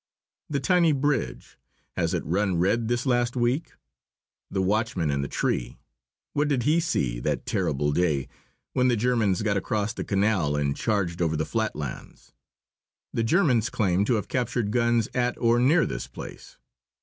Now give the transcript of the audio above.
The tiny bridge, has it run red this last week? The watchman in the tree, what did he see, that terrible day when the Germans got across the canal and charged over the flat lands? The Germans claim to have captured guns at or near this place.